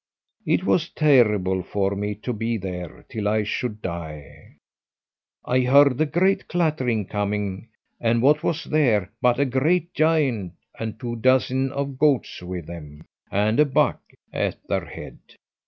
It was terrible for me to be there till I should die. I heard a great clattering coming, and what was there but a great giant and two dozen of goats with him, and a buck at their head.